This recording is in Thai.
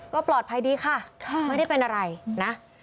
ก็ปลอดภัยดีค่ะไม่ได้เป็นอะไรนะ